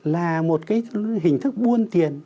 là một cái hình thức buôn tiền